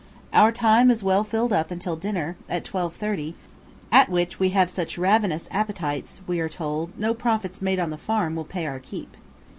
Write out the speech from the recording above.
Our time is well filled up until dinner, at 12.30, at which we have such ravenous appetites, we are told, no profits made on the farm will pay our keep.